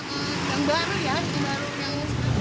yang baru yang masuk